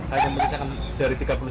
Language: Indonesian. hanya berisikan dari tiga puluh sembilan km